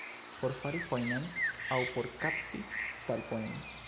Por fari fojnon aŭ por kapti talpojn.